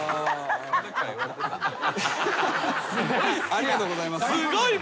ありがとうございます。